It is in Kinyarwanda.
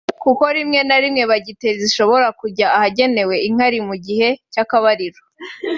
kuko rimwe na rimwe bacteri zishobora kujya ahagenewe inkari mu gihe cy’akabariro